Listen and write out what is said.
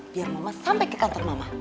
biar mamat sampai ke kantor mama